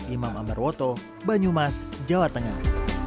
imam ambar woto banyumas jawa tengah